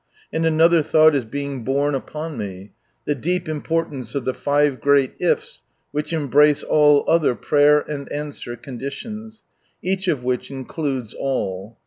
And another thought is being borne upon me. The deep importance of the five great "^r" which embrace all other ^prayer and answer conditions, each of which includes all.